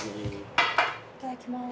いただきます。